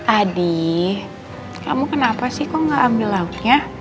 aduh kamu kenapa sih kok gak ambil lautnya